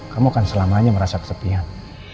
kamu kan selamanya merasa kesepian